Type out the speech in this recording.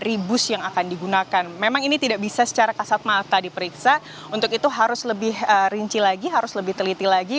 rebus yang akan digunakan memang ini tidak bisa secara kasat mata diperiksa untuk itu harus lebih rinci lagi harus lebih teliti lagi